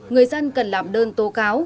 người dân cần làm đơn tố cáo